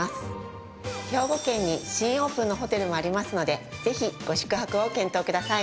兵庫県に新オープンのホテルもありますのでぜひご宿泊を検討ください。